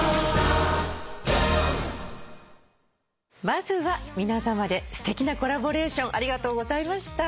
まずは皆さまですてきなコラボレーションありがとうございました。